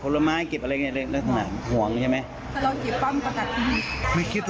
ล่าสุด